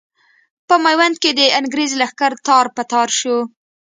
په ميوند کې د انګرېز لښکر تار په تار شو.